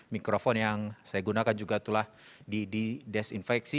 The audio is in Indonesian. mikrofon yang saya gunakan juga telah didesinfeksi